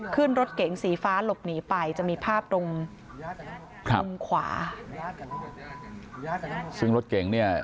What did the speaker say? ขึ้นรถเก๋งสีฟ้าหลบหนีไปจะมีภาพตรงมุมขวาซึ่งรถเก่งเนี่ย